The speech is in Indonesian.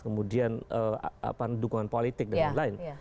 kemudian dukungan politik dan lain lain